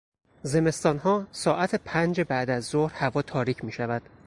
زمستانها ساعت پنج بعد از ظهر هوا تاریک میشود.